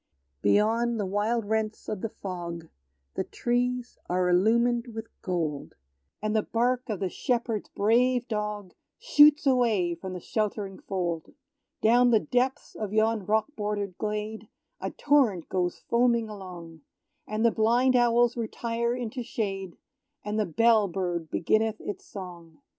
Beyond the wide rents of the fog, The trees are illumined with gold; And the bark of the shepherd's brave dog Shoots away from the sheltering fold. Down the depths of yon rock border'd glade, A torrent goes foaming along; And the blind owls retire into shade, And the bell bird beginneth its song.